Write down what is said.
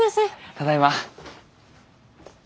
ただいま。